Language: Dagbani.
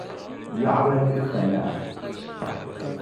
Yaɣiba yili ka laa.